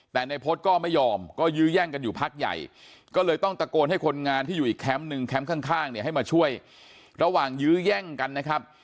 แต่ในพจน์ก็ไม่ยอมก็ยื้อแย่งกันอยู่พักใหญ่ก็เลยต้องตะโกนให้คนงานที่อยู่อีกแคมป์หนึ่งแคมป์ข้างเนี่ยให้มาช่วยระหว่างยื้อแย่งกันนะครับ